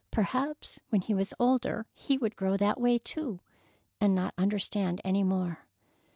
Perhaps when he was older he would grow that way to, and not understand any more.